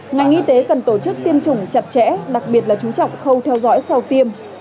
ngành y tế cần tổ chức tiêm chủng chặt chẽ đặc biệt là chú trọng khâu theo dõi sau tiêm